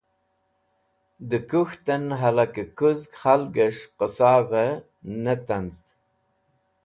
Dẽ kũk̃htẽn hẽlakẽ kũzg khalges̃h qẽsavẽ ne tanz̃ẽd.